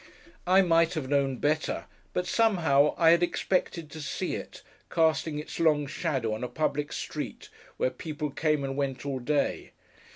I might have known better; but, somehow, I had expected to see it, casting its long shadow on a public street where people came and went all day.